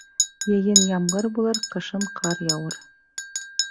Йәйен ямғыр булыр, ҡышын ҡар яуыр.